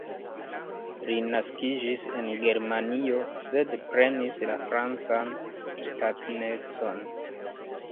Li naskiĝis en Germanio, sed prenis la francan ŝtatanecon.